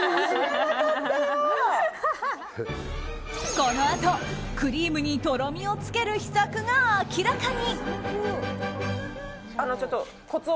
このあと、クリームにとろみをつける秘策が明らかに。